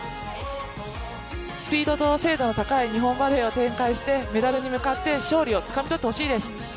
スピードと精度の高い日本バレーを展開してメダルに向かって勝利をつかみ取ってほしいです。